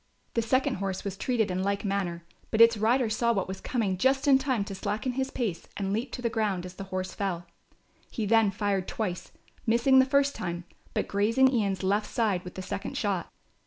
The second horse was treated in like manner; but its rider saw what was coming just in time to slacken his pace and leap to the ground as the horse fell. He then fired twice, missing the first time, but grazing Ian's left side with the second shot.